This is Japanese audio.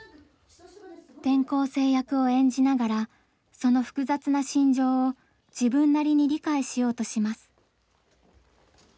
転校生役を演じながらその複雑な心情を自分なりに理解しようとします。